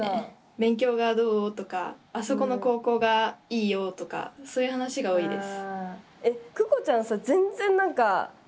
勉強がどう？とかあそこの高校がいいよとかそういう話が多いです。